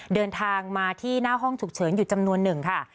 เดินทางมาที่หน้าห้องฉุกเฉินอยู่จำนวนหนึ่งค่ะ